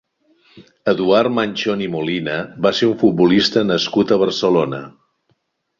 Eduard Manchón i Molina va ser un futbolista nascut a Barcelona.